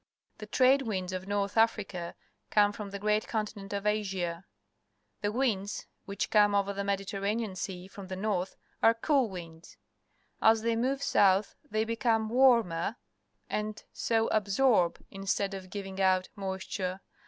The trade winds of North Africa come from the great continent of Asia. The winds which come over the Mediter ranean Sea from the north are cool winds. As they move south, they become warmer, and so absorb, instead of giving out, moisture.